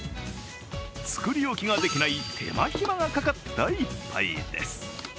作り置きができない手間暇がかかった１杯です。